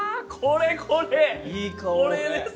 これです！